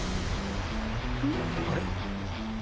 あれ？